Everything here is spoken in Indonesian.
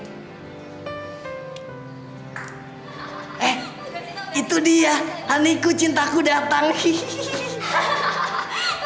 eh itu dia honeyku cintaku datang hihihi